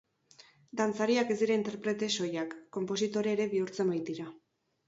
Dantzariak ez dira interprete soilak, konpositore ere bihurtzen baitira.